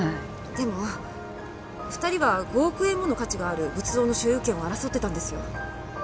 でも２人は５億円もの価値がある仏像の所有権を争ってたんですよ。